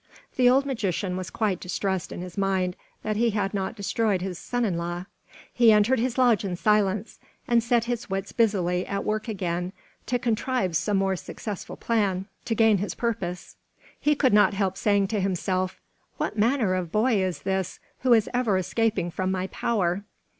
The old magician was quite distressed in his mind that he had not destroyed his son in law. He entered his lodge in silence and set his wits busily at work again to contrive some more successful plan to gain his purpose. He could not help saying to himself: "What manner of boy is this who is ever escaping from my power?